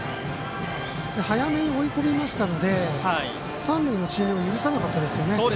早めに追い込みましたので三塁の進塁を許さなかったですよね。